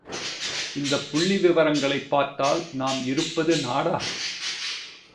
இந்தப் புள்ளி விவரங்களைப் பார்த்தால் நாம் இருப்பது நாடா?